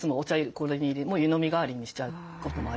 これに入れもう湯飲み代わりにしちゃうこともありますし。